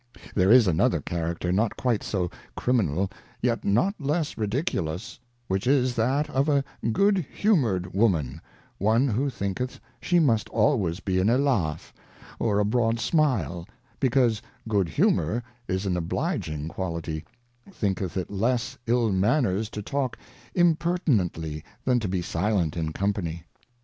There is another Character not quite so Criminal, yet not less Ridiculous ; which is that of a good humour' d Woman, one who thinketh she must always be in a Laugh, or a broad Smile, because Good humour is an obliging Quality; thinketh it less ill manners to talk Impertinently, than to be silent in Company.